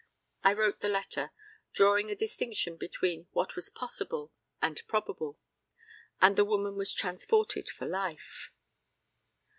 I wrote the letter, drawing a distinction between what was possible and probable, and the woman was transported for life.